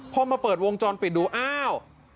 พอมาเปิดวงจรปิดดูอ้าว